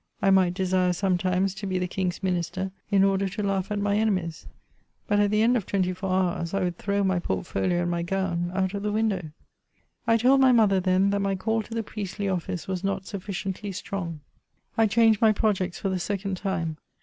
I might desire sometimes to be the King^s minister, in order to laugh at my enemies ; but at the end of twenty four hours, I would throw my portfoho and my gown out of the window. I told my mother, then, that my call to the priestly office was not sufficiently strong. I changed my projects for the second time.